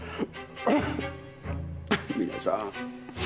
皆さん。